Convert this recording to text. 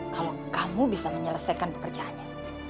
kalau kamu bisa menyelesaikan pekerjaannya